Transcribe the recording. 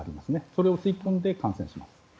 それを吸い込んで感染します。